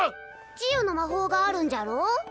治癒の魔法があるんじゃろう？